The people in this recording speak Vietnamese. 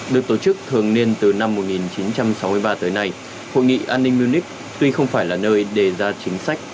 được tổ chức thường niên từ năm một nghìn chín trăm sáu mươi ba tới nay hội nghị an ninh munich tuy không phải là nơi đề ra chính sách